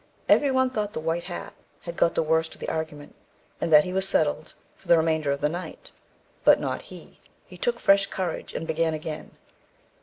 Every one thought the white hat had got the worst of the argument, and that he was settled for the remainder of the night. But not he; he took fresh courage and began again.